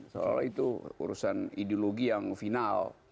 soalnya itu urusan ideologi yang final